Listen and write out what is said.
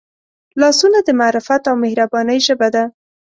لاسونه د معرفت او مهربانۍ ژبه ده